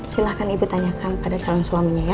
silahkan ibu tanyakan pada calon suaminya ya